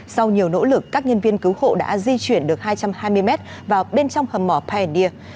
sau nhiều nỗ lực các nhân viên cứu hộ đã di chuyển được hai trăm hai mươi mét vào bên trong hầm mỏ piondir